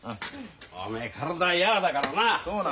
おめえ体がヤワだからな。